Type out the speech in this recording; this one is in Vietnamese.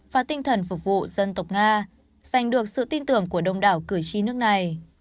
và tinh thần phục vụ dân tộc nga giành được sự tin tưởng của đông đảo cử tri nước này